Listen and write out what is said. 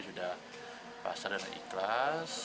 kita sudah pasaran dan ikhlas